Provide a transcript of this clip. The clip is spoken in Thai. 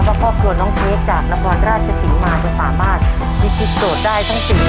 ว่าพ่อครัวน้องเทคจากละพอร์ดราชสิงห์มาจะสามารถวิทย์โทรธได้ทั้งสิ่งข้อ